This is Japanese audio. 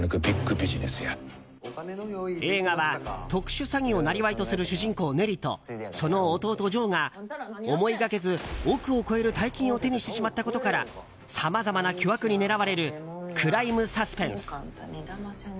映画は特殊詐欺を生業とする主人公ネリと、その弟ジョーが思いがけず億を超える大金を手にしてしまったことからさまざまな巨悪に狙われるクライムサスペンス。